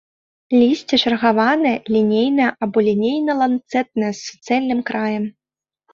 Лісце чаргаванае, лінейнае або лінейна-ланцэтнае, з суцэльным краем.